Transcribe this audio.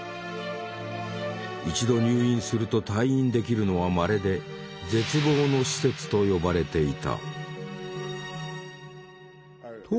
一度入院すると退院できるのはまれで「絶望の施設」と呼ばれていた。